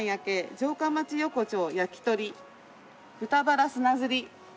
「城下町横丁焼き鳥豚バラ砂ズリ」